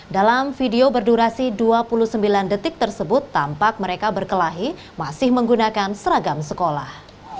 dalam video berdurasi dua puluh sembilan detik tersebut tampak mereka berkelahi masih menggunakan seragam sekolah